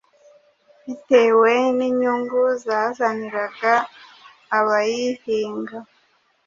bitewe n’inyungu yazaniraga abayihinga.